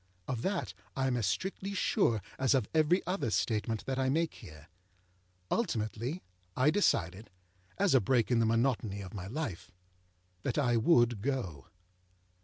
Of that I am as strictly sure as of every other statement that I make here. Ultimately I decided, as a break in the monotony of my life, that I would go.